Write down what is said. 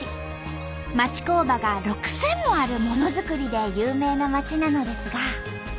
町工場が６，０００もあるモノづくりで有名な町なのですが